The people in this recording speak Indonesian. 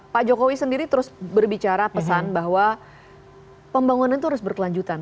pak jokowi sendiri terus berbicara pesan bahwa pembangunan itu harus berkelanjutan